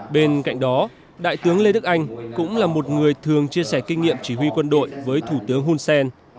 bên cạnh đó đại tướng lê đức anh cũng là một người thường chia sẻ kinh nghiệm chỉ huy quân đội với thủ tướng hun sen